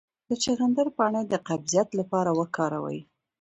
د چغندر پاڼې د قبضیت لپاره وکاروئ